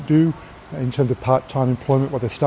dalam hal pekerjaan part time atau belajar sepenuh waktu